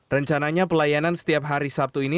rencananya pelayanan setiap hari sabtu ini